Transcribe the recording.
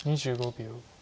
２５秒。